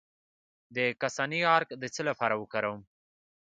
د کاسني عرق د څه لپاره وکاروم؟